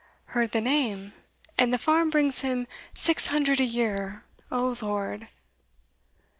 "Heard the name? and the farm brings him six hundred a year O Lord!"